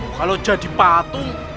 kalau jadi patung